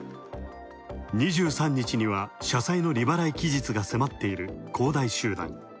２３日には社債の利払い期日が迫っている恒大集団。